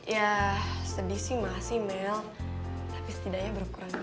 ya sedih sih masih mel tapi setidaknya berkurang